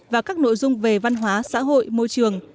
và các nội dung về văn hóa xã hội môi trường